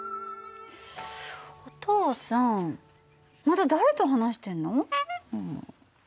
お父さんまた誰と話してんの？